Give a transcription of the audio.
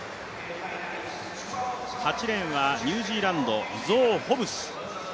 ８レーンはニュージーランドゾー・ホブス。